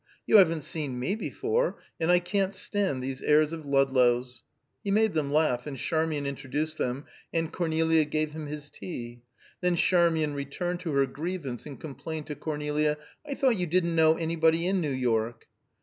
You haven't seen me before, and I can't stand these airs of Ludlow's." He made them laugh, and Charmian introduced them, and Cornelia gave him his tea; then Charmian returned to her grievance and complained to Cornelia: "I thought you didn't know anybody in New York."